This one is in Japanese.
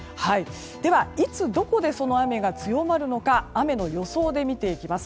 では、いつどこでその雨が強まるのか雨の予想で見ていきます。